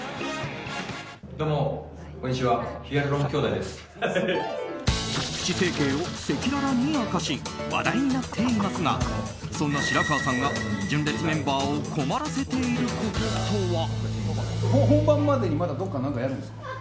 プチ整形を赤裸々に明かし話題になっていますがそんな白川さんが純烈メンバーを困らせていることとは。